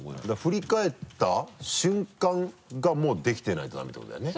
振り返った瞬間がもうできてないとダメってことだよね。